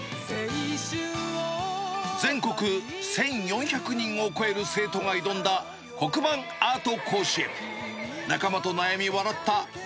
全国１４００人を超える生徒が挑んだ黒板アート甲子園。